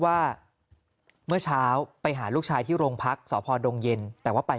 ว่าเมื่อเช้าไปหาลูกชายที่โรงพักษพดงเย็นแต่ว่าไป